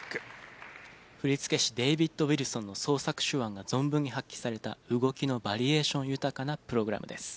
振付師デビッド・ウィルソンの創作手腕が存分に発揮された動きのバリエーション豊かなプログラムです。